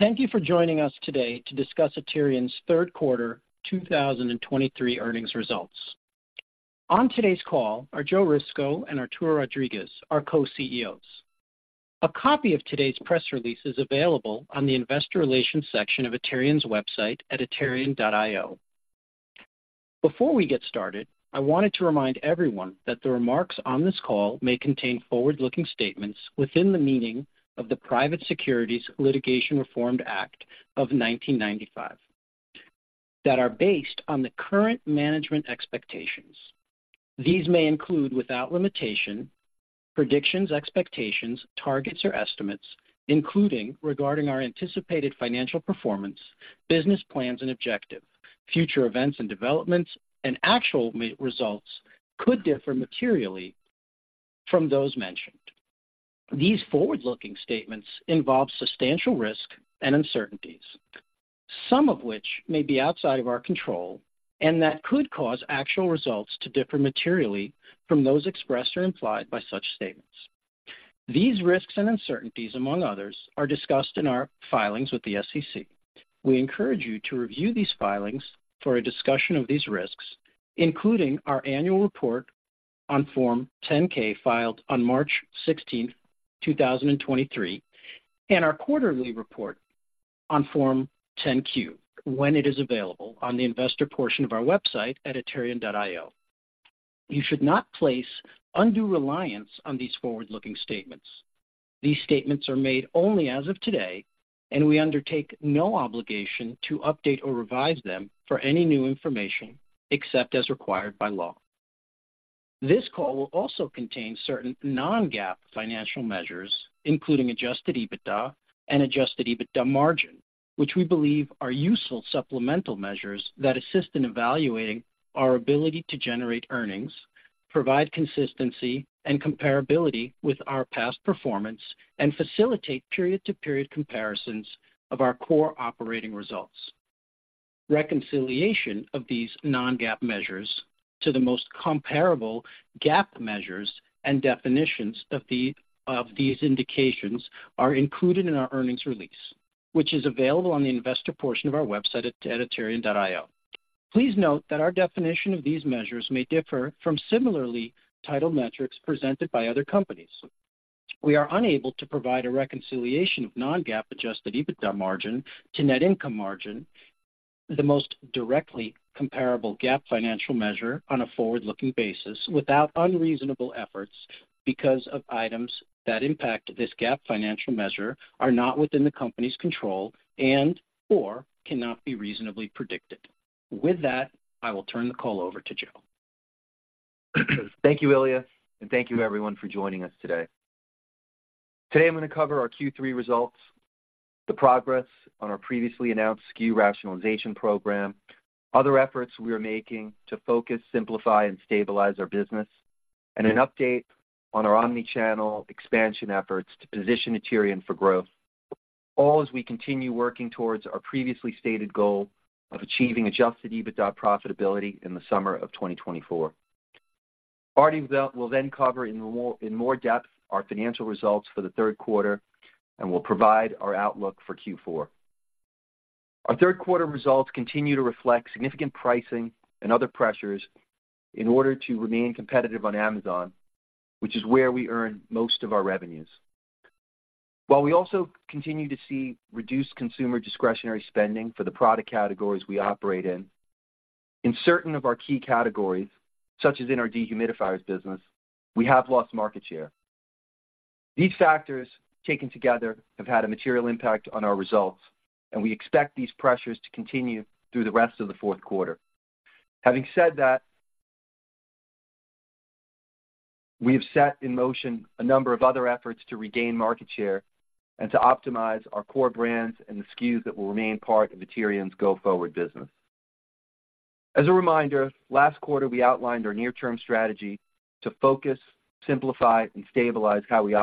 Thank you for joining us today to discuss Aterian's third quarter 2023 earnings results. On today's call are Joe Risico and Arturo Rodriguez, our co-CEOs. A copy of today's press release is available on the Investor Relations section of Aterian's website at aterian.io. Before we get started, I wanted to remind everyone that the remarks on this call may contain forward-looking statements within the meaning of the Private Securities Litigation Reform Act of 1995, that are based on the current management expectations. These may include, without limitation, predictions, expectations, targets, or estimates, including regarding our anticipated financial performance, business plans and objective. Future events and developments and actual results could differ materially from those mentioned. These forward-looking statements involve substantial risk and uncertainties, some of which may be outside of our control, and that could cause actual results to differ materially from those expressed or implied by such statements. These risks and uncertainties, among others, are discussed in our filings with the SEC. We encourage you to review these filings for a discussion of these risks, including our annual report on Form 10-K, filed on March 16, 2023, and our quarterly report on Form 10-Q, when it is available on the investor portion of our website at aterian.io. You should not place undue reliance on these forward-looking statements. These statements are made only as of today, and we undertake no obligation to update or revise them for any new information, except as required by law. This call will also contain certain non-GAAP financial measures, including Adjusted EBITDA and Adjusted EBITDA margin, which we believe are useful supplemental measures that assist in evaluating our ability to generate earnings, provide consistency and comparability with our past performance, and facilitate period-to-period comparisons of our core operating results. Reconciliation of these non-GAAP measures to the most comparable GAAP measures and definitions of these indications are included in our earnings release, which is available on the investor portion of our website at aterian.io. Please note that our definition of these measures may differ from similarly titled metrics presented by other companies. We are unable to provide a reconciliation of non-GAAP Adjusted EBITDA margin to net income margin, the most directly comparable GAAP financial measure on a forward-looking basis, without unreasonable efforts because of items that impact this GAAP financial measure are not within the company's control and/or cannot be reasonably predicted. With that, I will turn the call over to Joe. Thank you, Ilya, and thank you, everyone, for joining us today. Today, I'm going to cover our Q3 results, the progress on our previously announced SKU rationalization program, other efforts we are making to focus, simplify, and stabilize our business, and an update on our Omni-channel expansion efforts to position Aterian for growth. All as we continue working towards our previously stated goal of achieving Adjusted EBITDA profitability in the summer of 2024. Arty will then cover in more depth our financial results for the third quarter, and we'll provide our outlook for Q4. Our third quarter results continue to reflect significant pricing and other pressures in order to remain competitive on Amazon, which is where we earn most of our revenues. While we also continue to see reduced consumer discretionary spending for the product categories we operate in, in certain of our key categories, such as in our dehumidifiers business, we have lost market share. These factors, taken together, have had a material impact on our results, and we expect these pressures to continue through the rest of the fourth quarter. Having said that, we have set in motion a number of other efforts to regain market share and to optimize our core brands and the SKUs that will remain part of Aterian's go-forward business. As a reminder, last quarter, we outlined our near-term strategy to focus, simplify, and stabilize how we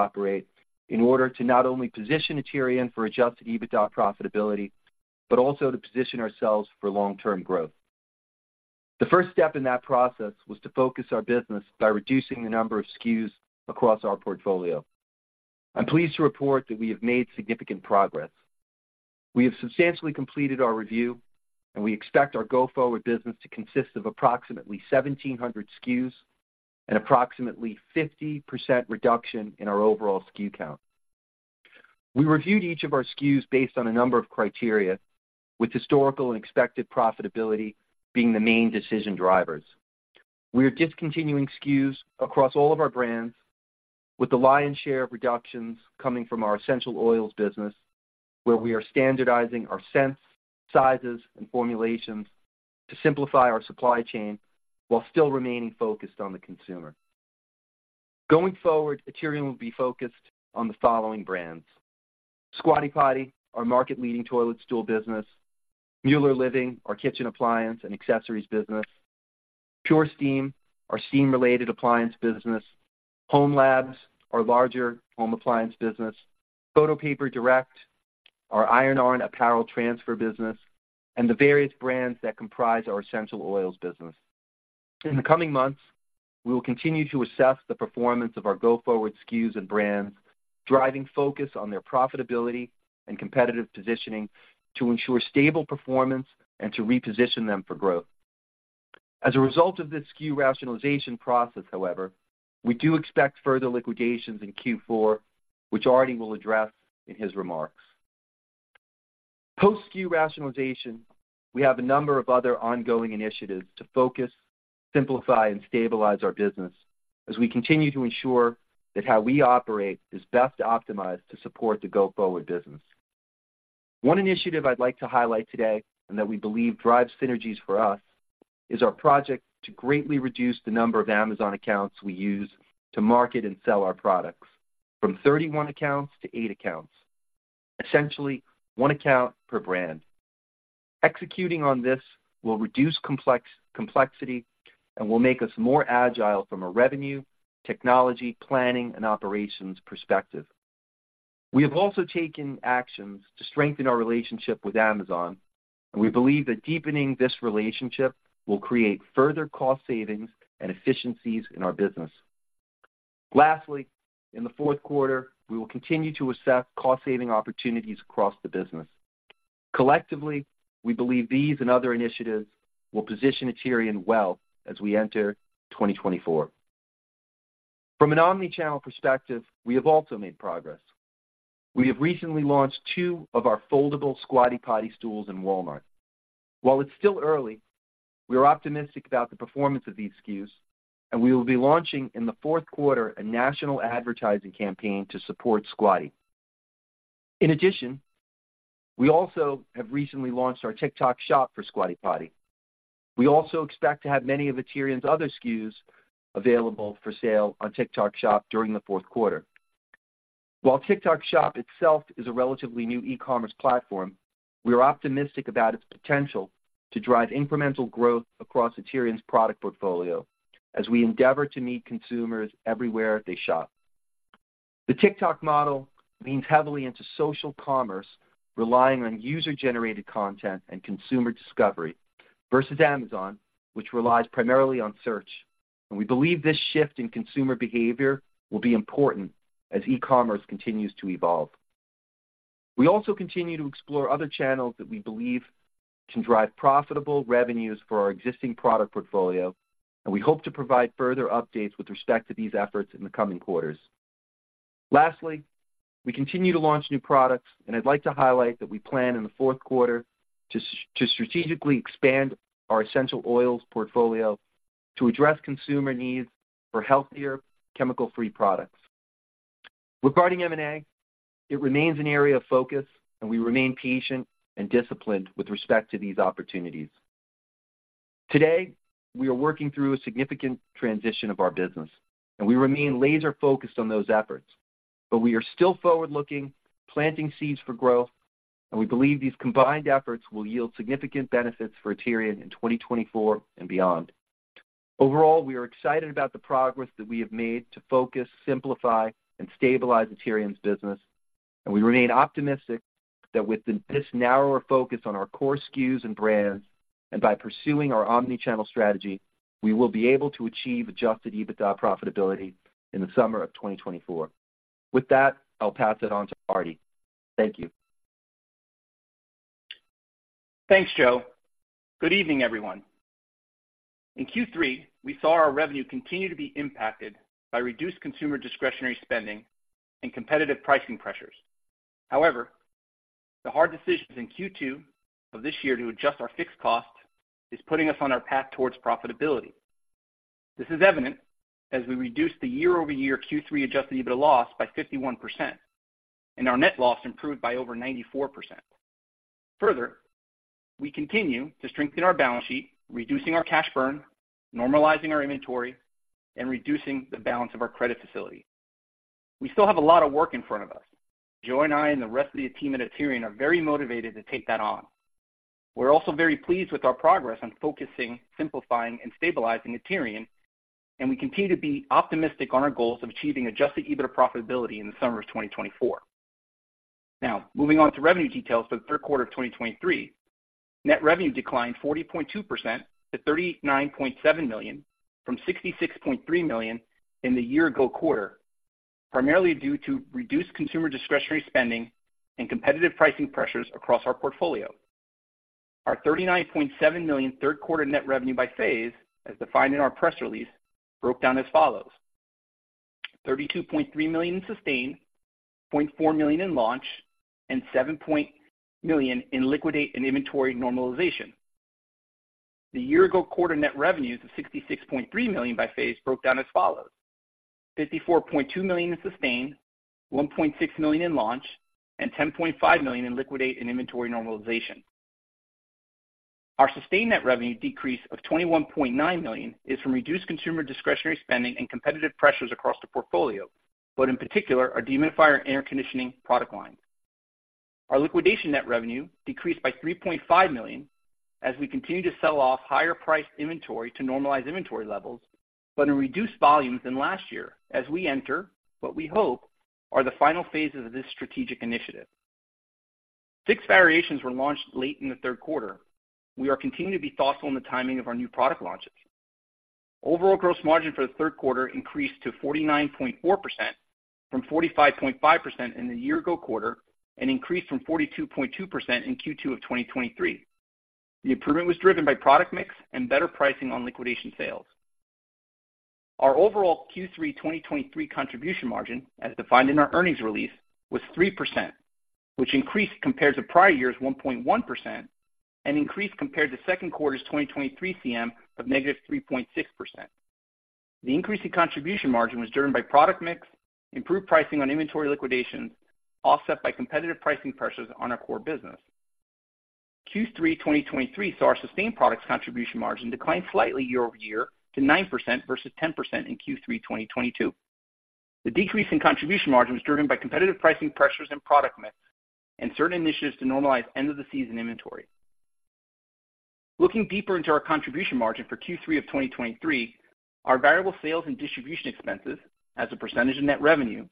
operate in order to not only position Aterian for Adjusted EBITDA profitability, but also to position ourselves for long-term growth. The first step in that process was to focus our business by reducing the number of SKUs across our portfolio. I'm pleased to report that we have made significant progress. We have substantially completed our review, and we expect our go-forward business to consist of approximately 1,700 SKUs and approximately 50% reduction in our overall SKU count. We reviewed each of our SKUs based on a number of criteria, with historical and expected profitability being the main decision drivers. We are discontinuing SKUs across all of our brands, with the lion's share of reductions coming from our essential oils business, where we are standardizing our scents, sizes, and formulations to simplify our supply chain while still remaining focused on the consumer. Going forward, Aterian will be focused on the following brands: Squatty Potty, our market-leading toilet stool business, Mueller Living, our kitchen appliance and accessories business, PurSteam, our steam-related appliance business, hOmeLabs, our larger home appliance business, Photo Paper Direct, our iron-on apparel transfer business, and the various brands that comprise our essential oils business. In the coming months, we will continue to assess the performance of our go-forward SKUs and brands, driving focus on their profitability and competitive positioning to ensure stable performance and to reposition them for growth. As a result of this SKU rationalization process, however, we do expect further liquidations in Q4, which Arty will address in his remarks. Post-SKU rationalization, we have a number of other ongoing initiatives to focus, simplify, and stabilize our business as we continue to ensure that how we operate is best optimized to support the go-forward business. One initiative I'd like to highlight today, and that we believe drives synergies for us, is our project to greatly reduce the number of Amazon accounts we use to market and sell our products from 31 accounts to 8 accounts, essentially, one account per brand. Executing on this will reduce complexity and will make us more agile from a revenue, technology, planning, and operations perspective. We have also taken actions to strengthen our relationship with Amazon, and we believe that deepening this relationship will create further cost savings and efficiencies in our business. Lastly, in the fourth quarter, we will continue to assess cost-saving opportunities across the business. Collectively, we believe these and other initiatives will position Aterian well as we enter 2024. From an omni-channel perspective, we have also made progress. We have recently launched two of our foldable Squatty Potty stools in Walmart. While it's still early, we are optimistic about the performance of these SKUs, and we will be launching in the fourth quarter a national advertising campaign to support Squatty. In addition, we also have recently launched our TikTok Shop for Squatty Potty. We also expect to have many of Aterian's other SKUs available for sale on TikTok Shop during the fourth quarter. While TikTok Shop itself is a relatively new e-commerce platform, we are optimistic about its potential to drive incremental growth across Aterian's product portfolio as we endeavor to meet consumers everywhere they shop. The TikTok model leans heavily into social commerce, relying on user-generated content and consumer discovery, versus Amazon, which relies primarily on search. We believe this shift in consumer behavior will be important as e-commerce continues to evolve. We also continue to explore other channels that we believe can drive profitable revenues for our existing product portfolio, and we hope to provide further updates with respect to these efforts in the coming quarters. Lastly, we continue to launch new products, and I'd like to highlight that we plan in the fourth quarter to strategically expand our essential oils portfolio to address consumer needs for healthier, chemical-free products. Regarding M&A, it remains an area of focus, and we remain patient and disciplined with respect to these opportunities. Today, we are working through a significant transition of our business, and we remain laser-focused on those efforts. But we are still forward-looking, planting seeds for growth, and we believe these combined efforts will yield significant benefits for Aterian in 2024 and beyond. Overall, we are excited about the progress that we have made to focus, simplify, and stabilize Aterian's business, and we remain optimistic that with this narrower focus on our core SKUs and brands, and by pursuing our omni-channel strategy, we will be able to achieve adjusted EBITDA profitability in the summer of 2024. With that, I'll pass it on to Arty. Thank you. Thanks, Joe. Good evening, everyone. In Q3, we saw our revenue continue to be impacted by reduced consumer discretionary spending and competitive pricing pressures. However, the hard decisions in Q2 of this year to adjust our fixed costs is putting us on our path towards profitability. This is evident as we reduced the year-over-year Q3 Adjusted EBITDA loss by 51%, and our net loss improved by over 94%. Further, we continue to strengthen our balance sheet, reducing our cash burn, normalizing our inventory, and reducing the balance of our credit facility. We still have a lot of work in front of us. Joe and I and the rest of the team at Aterian are very motivated to take that on. We're also very pleased with our progress on focusing, simplifying, and stabilizing Aterian, and we continue to be optimistic on our goals of achieving adjusted EBITDA profitability in the summer of 2024. Now, moving on to revenue details for the third quarter of 2023. Net revenue declined 40.2% to $39.7 million, from $66.3 million in the year ago quarter, primarily due to reduced consumer discretionary spending and competitive pricing pressures across our portfolio. Our $39.7 million third quarter net revenue by phase, as defined in our press release, broke down as follows: $32.3 million in sustain, $0.4 million in launch, and $7 million in liquidate and inventory normalization. The year-ago quarter net revenues of $66.3 million by phase broke down as follows: $54.2 million in sustain, $1.6 million in launch, and $10.5 million in liquidate and inventory normalization. Our sustained net revenue decrease of $21.9 million is from reduced consumer discretionary spending and competitive pressures across the portfolio, but in particular, our dehumidifier and air conditioning product line. Our liquidation net revenue decreased by $3.5 million as we continue to sell off higher priced inventory to normalize inventory levels, but in reduced volumes than last year as we enter what we hope are the final phases of this strategic initiative. Six variations were launched late in the third quarter. We are continuing to be thoughtful in the timing of our new product launches. Overall gross margin for the third quarter increased to 49.4%, from 45.5% in the year ago quarter, and increased from 42.2% in Q2 of 2023. The improvement was driven by product mix and better pricing on liquidation sales. Our overall Q3 2023 contribution margin, as defined in our earnings release, was 3%, which increased compared to prior year's 1.1% and increased compared to second quarter's 2023 CM of -3.6%. The increase in contribution margin was driven by product mix, improved pricing on inventory liquidation, offset by competitive pricing pressures on our core business. Q3 2023 saw our sustained products contribution margin decline slightly year-over-year to 9% versus 10% in Q3 2022. The decrease in contribution margin was driven by competitive pricing pressures and product mix, and certain initiatives to normalize end of the season inventory. Looking deeper into our contribution margin for Q3 of 2023, our variable sales and distribution expenses, as a percentage of net revenue,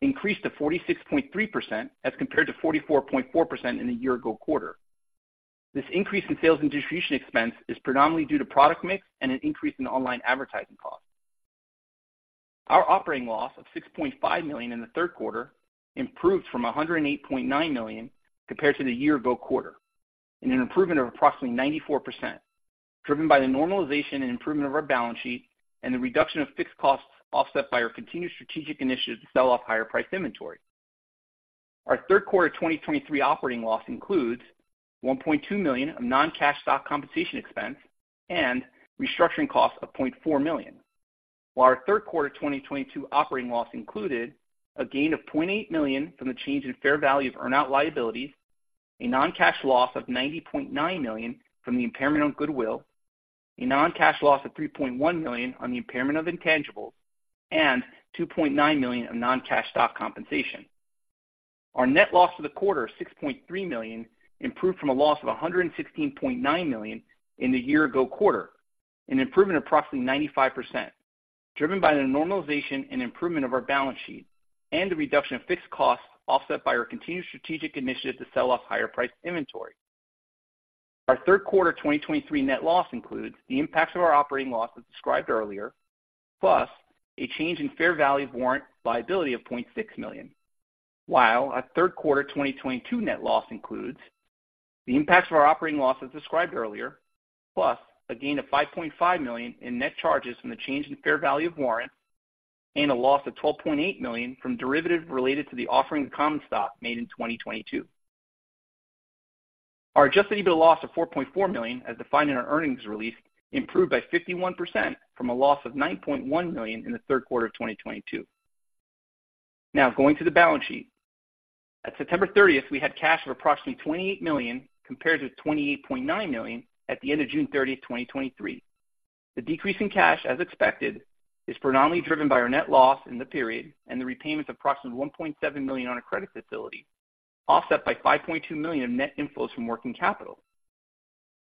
increased to 46.3% as compared to 44.4% in the year ago quarter. This increase in sales and distribution expense is predominantly due to product mix and an increase in online advertising costs. Our operating loss of $6.5 million in the third quarter improved from $108.9 million compared to the year ago quarter, in an improvement of approximately 94%, driven by the normalization and improvement of our balance sheet and the reduction of fixed costs, offset by our continued strategic initiative to sell off higher priced inventory. Our third quarter 2023 operating loss includes $1.2 million of non-cash stock compensation expense and restructuring costs of $0.4 million. While our third quarter 2022 operating loss included a gain of $0.8 million from the change in fair value of earn out liabilities, a non-cash loss of $90.9 million from the impairment on goodwill, a non-cash loss of $3.1 million on the impairment of intangibles, and $2.9 million of non-cash stock compensation. Our net loss for the quarter of $6.3 million improved from a loss of $116.9 million in the year ago quarter, an improvement of approximately 95%, driven by the normalization and improvement of our balance sheet and the reduction of fixed costs, offset by our continued strategic initiative to sell off higher priced inventory. Our third quarter 2023 net loss includes the impacts of our operating loss, as described earlier, plus a change in fair value of warrant liability of $0.6 million. While our third quarter 2022 net loss includes the impacts of our operating loss, as described earlier, plus a gain of $5.5 million in net charges from the change in fair value of warrants, and a loss of $12.8 million from derivatives related to the offering of common stock made in 2022. Our Adjusted EBITDA loss of $4.4 million, as defined in our earnings release, improved by 51% from a loss of $9.1 million in the third quarter of 2022. Now, going to the balance sheet. At September 30, we had cash of approximately $28 million, compared to $28.9 million at the end of June 30, 2023. The decrease in cash, as expected, is predominantly driven by our net loss in the period and the repayment of approximately $1.7 million on a credit facility, offset by $5.2 million of net inflows from working capital.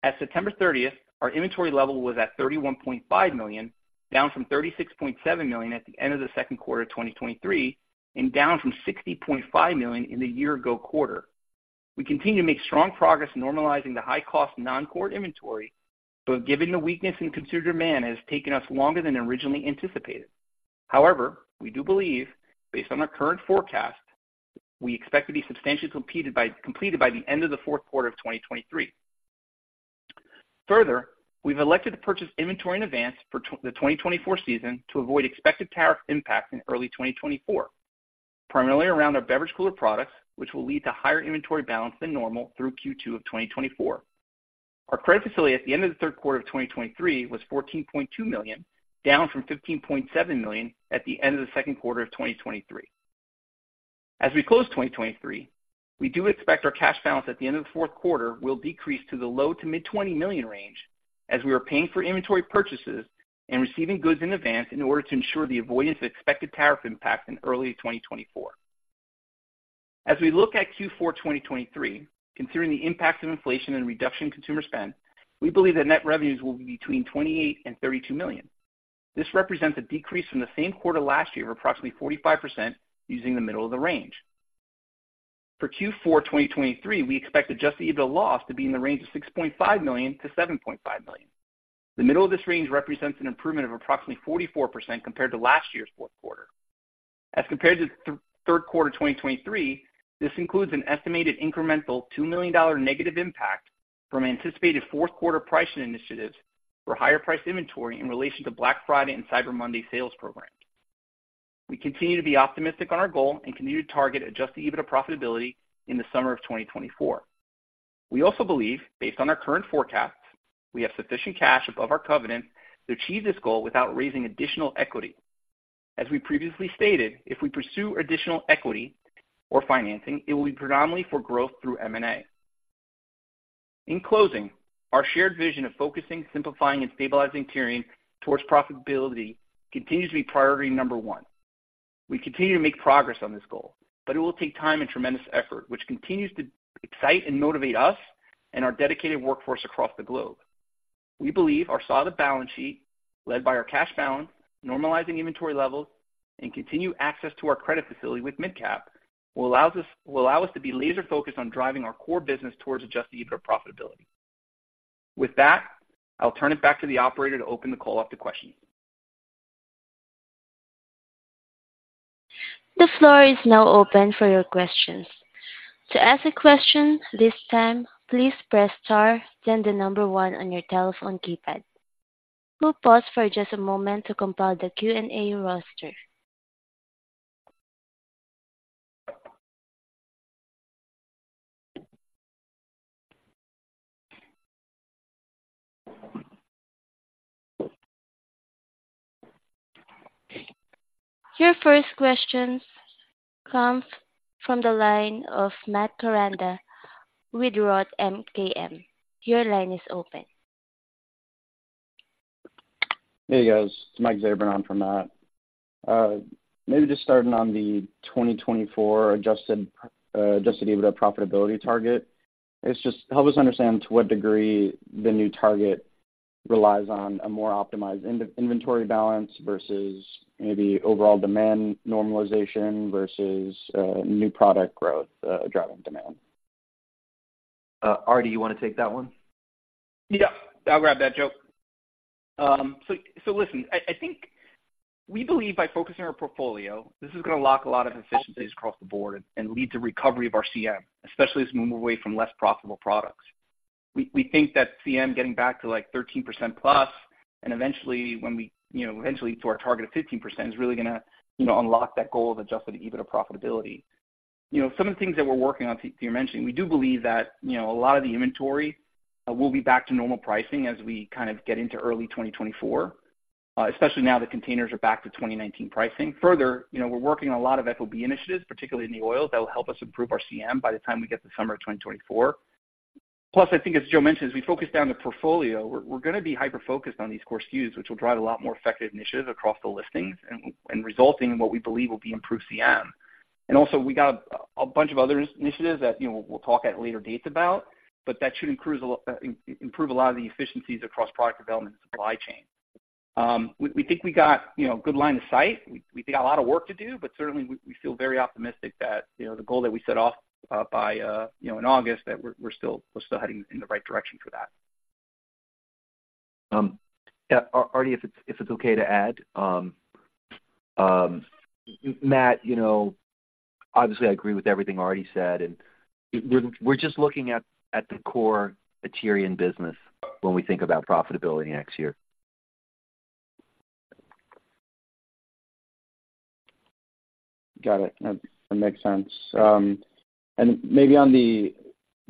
At September 30, our inventory level was at $31.5 million, down from $36.7 million at the end of the second quarter of 2023, and down from $60.5 million in the year ago quarter. We continue to make strong progress normalizing the high cost non-core inventory, but given the weakness in consumer demand, it has taken us longer than originally anticipated. However, we do believe, based on our current forecast, we expect to be substantially completed by the end of the fourth quarter of 2023. Further, we've elected to purchase inventory in advance for the 2024 season to avoid expected tariff impact in early 2024, primarily around our beverage cooler products, which will lead to higher inventory balance than normal through Q2 of 2024. Our credit facility at the end of the third quarter of 2023 was $14.2 million, down from $15.7 million at the end of the second quarter of 2023. As we close 2023, we do expect our cash balance at the end of the fourth quarter will decrease to the low- to mid-$20 million range, as we are paying for inventory purchases and receiving goods in advance in order to ensure the avoidance of expected tariff impact in early 2024. As we look at Q4 2023, considering the impacts of inflation and reduction in consumer spend, we believe that net revenues will be between $28 million and $32 million. This represents a decrease from the same quarter last year of approximately 45%, using the middle of the range. For Q4 2023, we expect Adjusted EBITDA loss to be in the range of $6.5 million-$7.5 million. The middle of this range represents an improvement of approximately 44% compared to last year's fourth quarter. As compared to third quarter 2023, this includes an estimated incremental $2 million negative impact from anticipated fourth quarter pricing initiatives for higher priced inventory in relation to Black Friday and Cyber Monday sales programs. We continue to be optimistic on our goal and continue to target Adjusted EBITDA profitability in the summer of 2024. We also believe, based on our current forecasts, we have sufficient cash above our covenants to achieve this goal without raising additional equity. As we previously stated, if we pursue additional equity or financing, it will be predominantly for growth through M&A. In closing, our shared vision of focusing, simplifying, and stabilizing Aterian towards profitability continues to be priority number one. We continue to make progress on this goal, but it will take time and tremendous effort, which continues to excite and motivate us and our dedicated workforce across the globe... We believe our solid balance sheet, led by our cash balance, normalizing inventory levels, and continued access to our credit facility with MidCap, will allows us-- will allow us to be laser-focused on driving our core business towards Adjusted EBITDA profitability. With that, I'll turn it back to the operator to open the call up to questions. The floor is now open for your questions. To ask a question this time, please press star, then the number one on your telephone keypad. We'll pause for just a moment to compile the Q&A roster. Your first question comes from the line of Matt Koranda with Roth MKM. Your line is open. Hey, guys. It's Mike Zaber on for Matt. Maybe just starting on the 2024 adjusted EBITDA profitability target. It's just help us understand to what degree the new target relies on a more optimized inventory balance versus maybe overall demand normalization versus new product growth driving demand. Arty, you want to take that one? Yeah, I'll grab that, Joe. So, so listen, I, I think we believe by focusing our portfolio, this is gonna lock a lot of efficiencies across the board and lead to recovery of our CM, especially as we move away from less profitable products. We, we think that CM getting back to, like, 13% plus, and eventually, when we, you know, eventually to our target of 15%, is really gonna, you know, unlock that goal of adjusted EBITDA profitability. You know, some of the things that we're working on, to, to your mentioning, we do believe that, you know, a lot of the inventory will be back to normal pricing as we kind of get into early 2024, especially now that containers are back to 2019 pricing. Further, you know, we're working on a lot of FOB initiatives, particularly in the oil, that will help us improve our CM by the time we get to summer of 2024. Plus, I think as Joe mentioned, as we focus down the portfolio, we're gonna be hyper-focused on these core SKUs, which will drive a lot more effective initiatives across the listings and resulting in what we believe will be improved CM. And also, we got a bunch of other initiatives that, you know, we'll talk at later dates about, but that should improve a lot of the efficiencies across product development and supply chain. We think we got, you know, a good line of sight. We think a lot of work to do, but certainly we feel very optimistic that, you know, the goal that we set off by, you know, in August, that we're still heading in the right direction for that. Yeah, Artie, if it's okay to add, Matt, you know, obviously I agree with everything Artie said, and we're just looking at the core Aterian business when we think about profitability next year. Got it. That makes sense. And maybe on the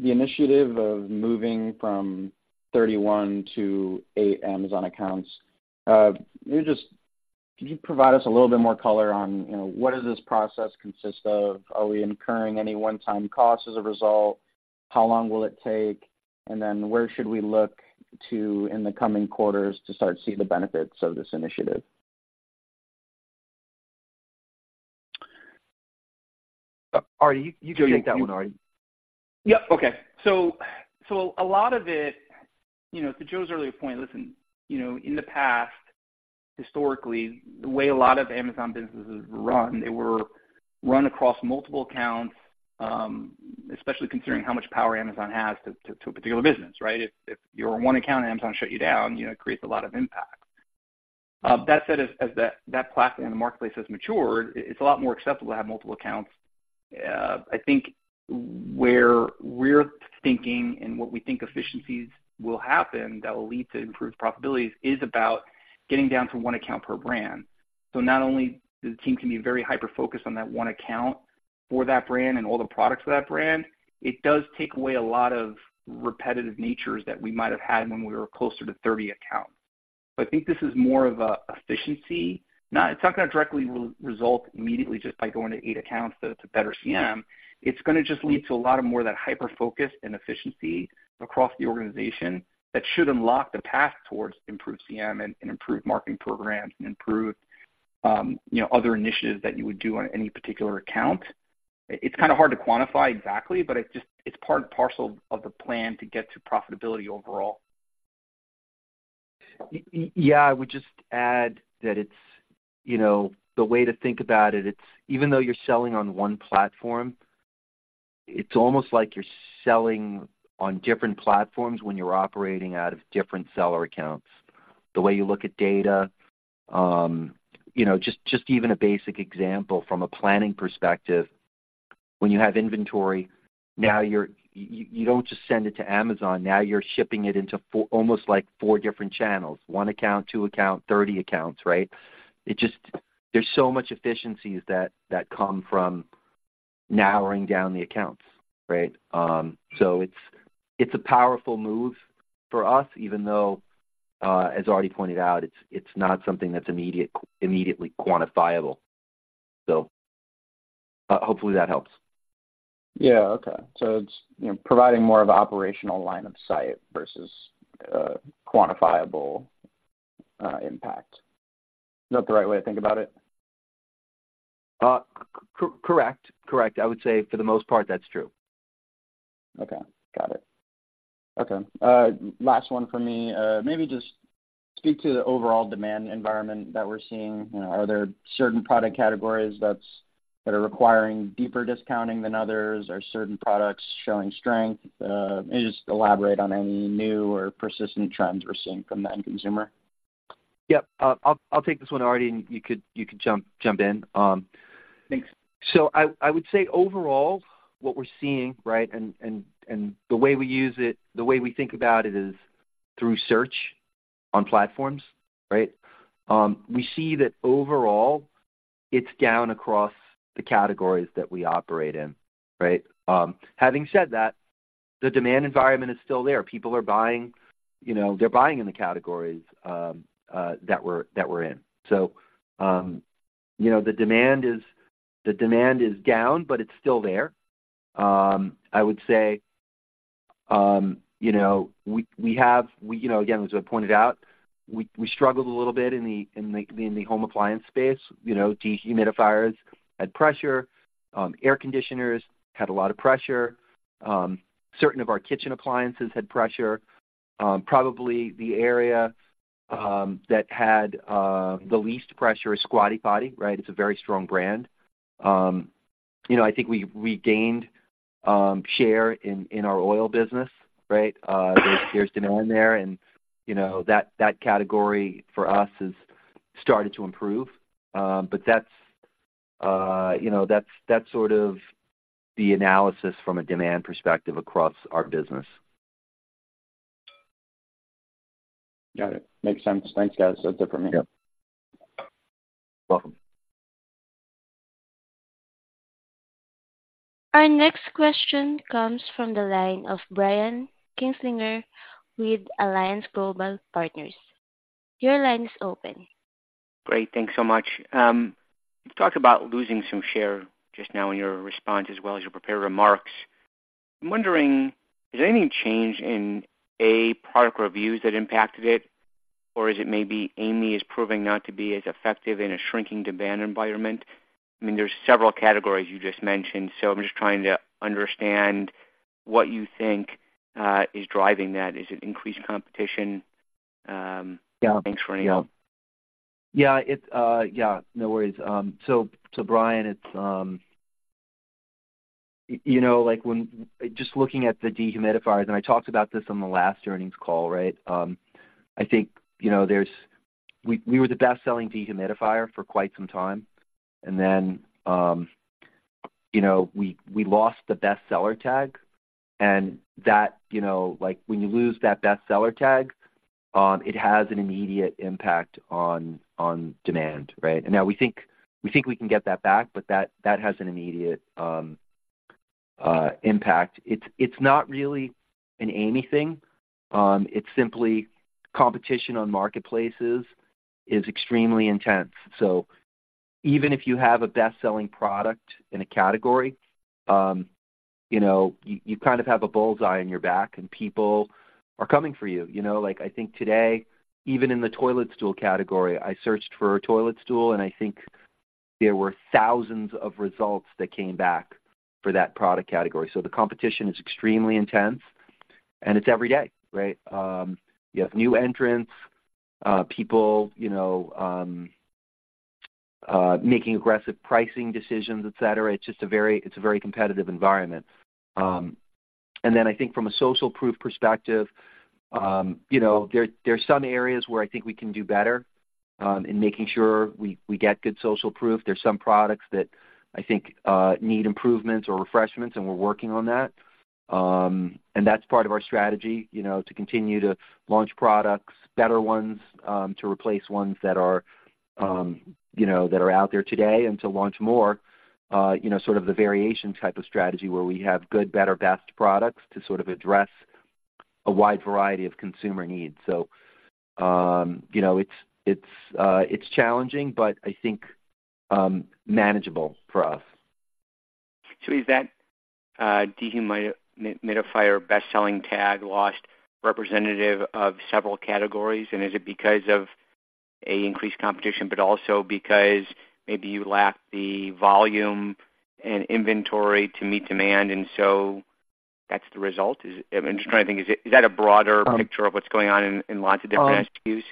initiative of moving from 31 to 8 Amazon accounts, maybe just... Could you provide us a little bit more color on, you know, what does this process consist of? Are we incurring any one-time costs as a result? How long will it take? And then where should we look to in the coming quarters to start to see the benefits of this initiative? Arty, you take that one, Arty. Yeah. Okay. So a lot of it, you know, to Joe's earlier point, listen, you know, in the past, historically, the way a lot of Amazon businesses run, they were run across multiple accounts, especially considering how much power Amazon has to a particular business, right? If you're one account and Amazon shut you down, you know, it creates a lot of impact. That said, as that platform in the marketplace has matured, it's a lot more acceptable to have multiple accounts. I think where we're thinking and what we think efficiencies will happen that will lead to improved profitability is about getting down to one account per brand. So not only the team can be very hyper-focused on that one account for that brand and all the products of that brand, it does take away a lot of repetitive nature that we might have had when we were closer to 30 accounts. So I think this is more of an efficiency, not—it's not gonna directly result immediately just by going to 8 accounts that it's a better CM. It's gonna just lead to a lot more of that hyper-focus and efficiency across the organization that should unlock the path towards improved CM and, and improved marketing programs and improved, you know, other initiatives that you would do on any particular account. It's kind of hard to quantify exactly, but it's just, it's part and parcel of the plan to get to profitability overall. Yeah, I would just add that it's, you know, the way to think about it. It's even though you're selling on one platform, it's almost like you're selling on different platforms when you're operating out of different seller accounts. The way you look at data, you know, just even a basic example from a planning perspective, when you have inventory, now you're you don't just send it to Amazon. Now you're shipping it into 4, almost like 4 different channels. 1 account, 2 account, 30 accounts, right? It just. There's so much efficiencies that come from narrowing down the accounts, right? So it's a powerful move for us, even though, as Arty pointed out, it's not something that's immediate, immediately quantifiable. So, hopefully, that helps. Yeah. Okay. So it's, you know, providing more of an operational line of sight versus a quantifiable, impact. Is that the right way to think about it?... correct, correct. I would say for the most part, that's true. Okay, got it. Okay, last one for me. Maybe just speak to the overall demand environment that we're seeing. You know, are there certain product categories that are requiring deeper discounting than others? Are certain products showing strength? And just elaborate on any new or persistent trends we're seeing from the end consumer. Yep. I'll take this one, Arty, and you could jump in. Thanks. So I would say overall, what we're seeing, right, and the way we use it, the way we think about it is through search on platforms, right? We see that overall, it's down across the categories that we operate in, right? Having said that, the demand environment is still there. People are buying, you know, they're buying in the categories that we're in. So, you know, the demand is down, but it's still there. I would say, you know, we have, you know, again, as I pointed out, we struggled a little bit in the home appliance space. You know, dehumidifiers had pressure, air conditioners had a lot of pressure, certain of our kitchen appliances had pressure. Probably the area that had the least pressure is Squatty Potty, right? It's a very strong brand. You know, I think we gained share in our oil business, right? There's demand there, and you know, that category for us has started to improve. But that's you know, that's sort of the analysis from a demand perspective across our business. Got it. Makes sense. Thanks, guys. That's it for me. Yep. Welcome. Our next question comes from the line of Brian Kinstlinger with Alliance Global Partners. Your line is open. Great. Thanks so much. You talked about losing some share just now in your response, as well as your prepared remarks. I'm wondering, is there any change in a product reviews that impacted it? Or is it maybe AIMEE is proving not to be as effective in a shrinking demand environment? I mean, there's several categories you just mentioned, so I'm just trying to understand what you think is driving that. Is it increased competition? Yeah. Thanks for anything. Yeah. Yeah, it's, yeah, no worries. So, Brian, it's, you know, like, when... Just looking at the dehumidifiers, and I talked about this on the last earnings call, right? I think, you know, there's, we were the best-selling dehumidifier for quite some time, and then, you know, we lost the best-seller tag, and that, you know, like, when you lose that best-seller tag, it has an immediate impact on demand, right? And now we think we can get that back, but that has an immediate impact. It's not really an AIMEE thing. It's simply competition on marketplaces is extremely intense. So even if you have a best-selling product in a category, you know, you kind of have a bullseye on your back, and people are coming for you. You know, like, I think today, even in the toilet stool category, I searched for a toilet stool, and I think there were thousands of results that came back for that product category. So the competition is extremely intense, and it's every day, right? You have new entrants, people, you know, making aggressive pricing decisions, et cetera. It's just a very, it's a very competitive environment. And then I think from a social proof perspective, you know, there, there are some areas where I think we can do better, in making sure we, we get good social proof. There's some products that I think, need improvements or refreshments, and we're working on that. And that's part of our strategy, you know, to continue to launch products, better ones, to replace ones that are, you know, that are out there today and to launch more, you know, sort of the variation type of strategy, where we have good, better, best products to sort of address a wide variety of consumer needs. So, you know, it's challenging, but I think manageable for us. So is that dehumidifier best-selling tag loss representative of several categories? And is it because of A, increased competition, but also because maybe you lack the volume and inventory to meet demand, and so that's the result? I'm just trying to think, is it a broader picture of what's going on in lots of different SKUs?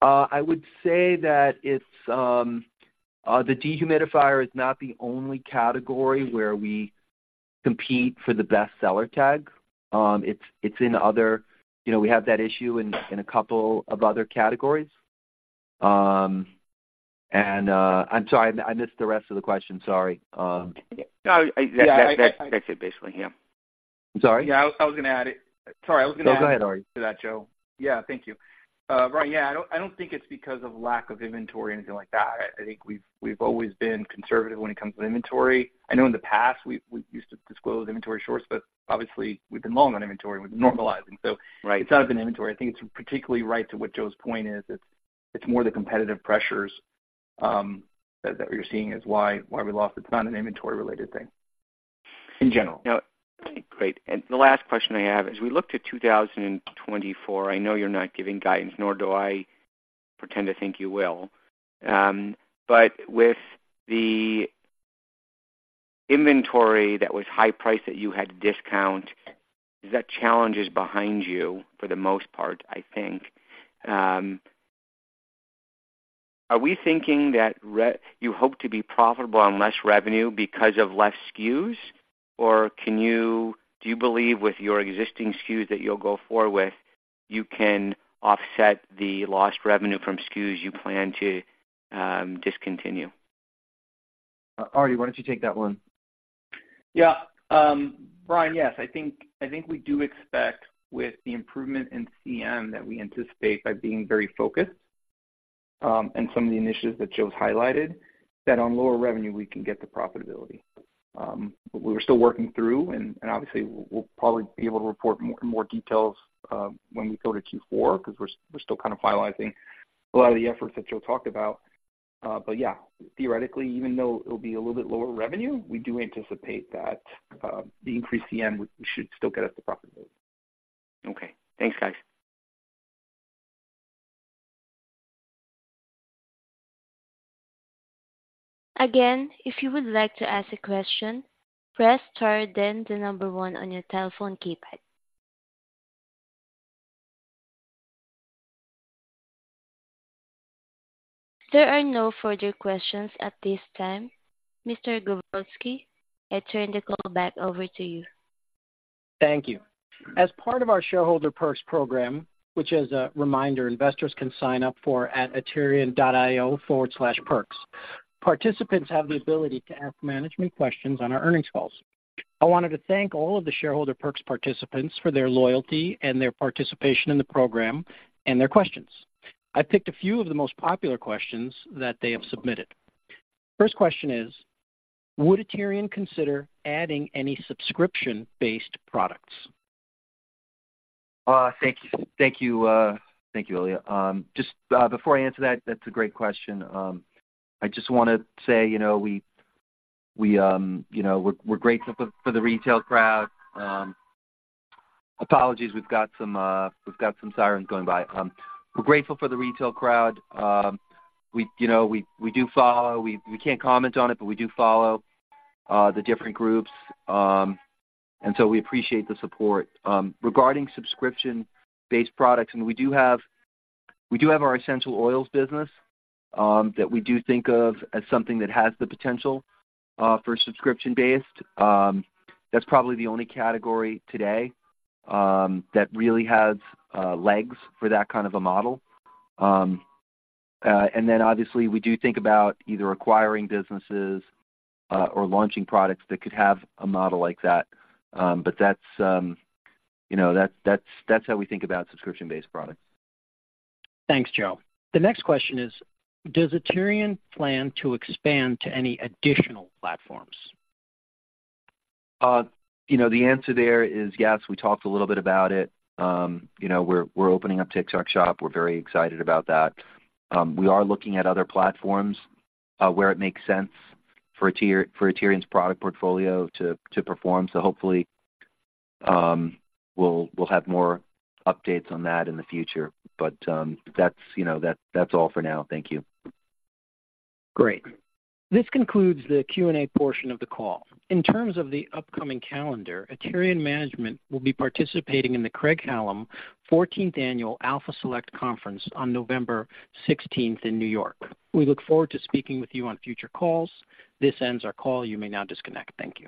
I would say that it's the dehumidifier is not the only category where we compete for the best seller tag. It's in other... You know, we have that issue in a couple of other categories. I'm sorry, I missed the rest of the question. Sorry. No, I- Yeah. That's it, basically, yeah. I'm sorry? Yeah, I was gonna add it. Sorry, I was gonna add- No, go ahead, Arty. To that, Joe. Yeah, thank you. Right, yeah, I don't think it's because of lack of inventory or anything like that. I think we've always been conservative when it comes to inventory. I know in the past, we used to disclose inventory shorts, but obviously we've been long on inventory. We're normalizing. Right. So it's not been inventory. I think it's particularly right to what Joe's point is. It's more the competitive pressures that we're seeing is why we lost. It's not an inventory-related thing.... Now, great. The last question I have is: we looked at 2024. I know you're not giving guidance, nor do I pretend to think you will. But with the inventory that was high priced, that you had to discount, that challenge is behind you for the most part, I think. Are we thinking that you hope to be profitable on less revenue because of less SKUs? Or do you believe with your existing SKUs that you'll go forward with, you can offset the lost revenue from SKUs you plan to discontinue? Arty, why don't you take that one? Yeah. Brian, yes, I think, I think we do expect with the improvement in CM that we anticipate by being very focused, and some of the initiatives that Joe's highlighted, that on lower revenue, we can get to profitability. But we're still working through and, and obviously, we'll probably be able to report more, more details, when we go to Q4, because we're, we're still kind of finalizing a lot of the efforts that Joe talked about. But yeah, theoretically, even though it'll be a little bit lower revenue, we do anticipate that, the increased CM we, we should still get us to profitability. Okay, thanks, guys. Again, if you would like to ask a question, press star, then the number one on your telephone keypad. There are no further questions at this time. Mr. Grozovsky, I turn the call back over to you. Thank you. As part of our shareholder perks program, which, as a reminder, investors can sign up for at Aterian.io/perks, participants have the ability to ask management questions on our earnings calls. I wanted to thank all of the shareholder perks participants for their loyalty and their participation in the program and their questions. I picked a few of the most popular questions that they have submitted. First question is: Would Aterian consider adding any subscription-based products? Thank you. Thank you, thank you, Ilya. Just before I answer that, that's a great question. I just wanna say, you know, we're grateful for the retail crowd. Apologies, we've got some sirens going by. We're grateful for the retail crowd. We, you know, we do follow... We can't comment on it, but we do follow the different groups. And so we appreciate the support. Regarding subscription-based products, and we do have our essential oils business that we do think of as something that has the potential for subscription-based. That's probably the only category today that really has legs for that kind of a model. and then obviously, we do think about either acquiring businesses or launching products that could have a model like that. But that's, you know, that's, that's, that's how we think about subscription-based products. Thanks, Joe. The next question is: Does Aterian plan to expand to any additional platforms? You know, the answer there is yes. We talked a little bit about it. You know, we're, we're opening up TikTok Shop. We're very excited about that. We are looking at other platforms, where it makes sense for Aterian, for Aterian's product portfolio to, to perform. So hopefully, we'll, we'll have more updates on that in the future, but, that's, you know, that's, that's all for now. Thank you. Great. This concludes the Q&A portion of the call. In terms of the upcoming calendar, Aterian management will be participating in the Craig-Hallum fourteenth Annual Alpha Select Conference on November sixteenth in New York. We look forward to speaking with you on future calls. This ends our call. You may now disconnect. Thank you.